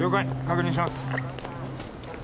確認します。